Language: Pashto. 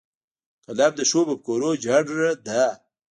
قلم د ښو مفکورو جرړه ده